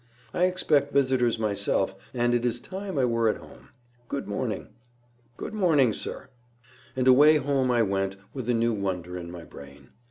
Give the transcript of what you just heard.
"I expect visitors myself, and it is time I were at home. Good morning." "Good morning, sir." And away home I went with a new wonder in my brain.